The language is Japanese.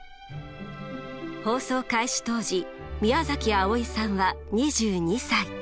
放送開始当時宮あおいさんは２２歳。